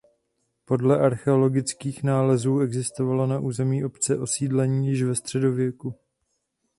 Podle archeologických nálezů existovalo na území obce osídlení již ve středověku.